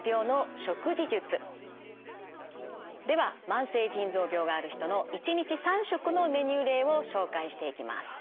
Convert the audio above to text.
では慢性腎臓病がある人の１日３食のメニュー例を紹介していきます。